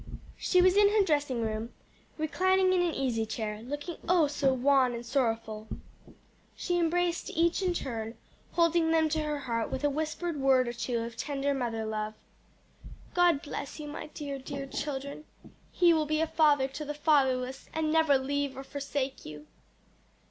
She was in her dressing room, reclining in an easy chair, looking, oh so wan and sorrowful. She embraced each in turn, holding them to her heart with a whispered word or two of tender mother love. "God bless you, my dear, dear children! He will be a father to the fatherless and never leave nor forsake you."